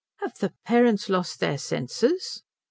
"Have the parents lost their senses?"